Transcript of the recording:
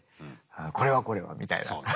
「これはこれは」みたいな。